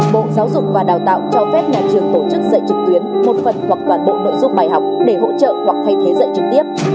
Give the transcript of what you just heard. bộ giáo dục và đào tạo cho phép nhà trường tổ chức dạy trực tuyến một phần hoặc toàn bộ nội dung bài học để hỗ trợ hoặc thay thế dạy trực tiếp